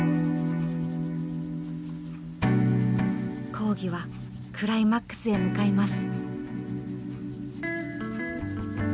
講義はクライマックスへ向かいます。